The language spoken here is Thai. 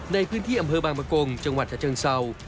ในพื้นที่อำเภอบางประกงจังหวัดชะเชิงเศร้า